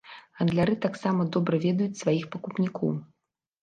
Гандляры таксама добра ведаюць сваіх пакупнікоў.